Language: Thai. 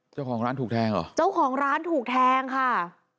เจ้าของร้านถูกแทงเหรอ